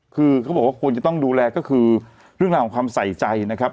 คือเขาบอกว่าควรจะต้องดูแลก็คือเรื่องราวของความใส่ใจนะครับ